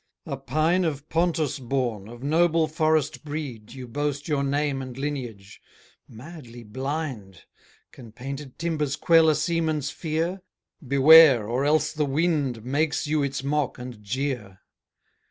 A pine of Pontus born Of noble forest breed, You boast your name and lineage madly blind! Can painted timbers quell a seaman's fear? Beware! or else the wind Makes you its mock and jeer.